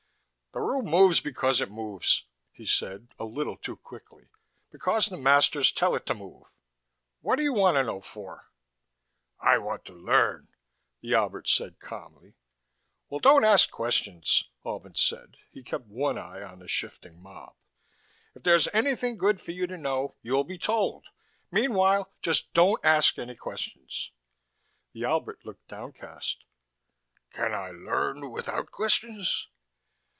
_ "The room moves because it moves," he said, a little too quickly. "Because the masters tell it to move. What do you want to know for?" "I want to learn," the Albert said calmly. "Well, don't ask questions," Albin said. He kept one eye on the shifting mob. "If there's anything good for you to know, you'll be told. Meanwhile, just don't ask any questions." The Albert looked downcast. "Can I learn without questions?"